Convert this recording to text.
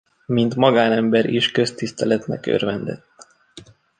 Mint magánember is köztiszteletnek örvendett.